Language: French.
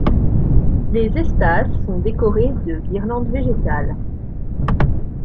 Les espaces sont décorés de guirlandes végétales.